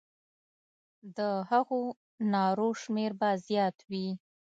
د هغو نارو شمېر به زیات وي.